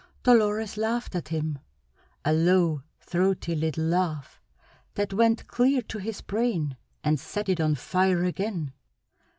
Dolores laughed at him: a low, throaty little laugh that went clear to his brain and set it on fire again.